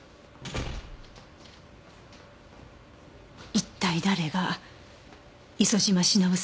一体誰が磯島忍さんを。